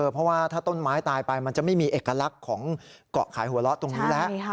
เพราะว่าถ้าต้นไม้ตายไปมันจะไม่มีเอกลักษณ์ของเกาะขายหัวเราะตรงนี้แล้ว